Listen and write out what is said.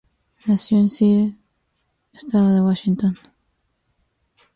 Nació en Seattle, estado de Washington.